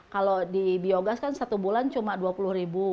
kalau di biogas kan satu bulan cuma dua puluh ribu